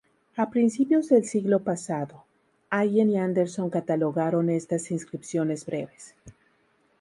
A principios del siglo pasado, Allen y Anderson catalogaron estas inscripciones breves.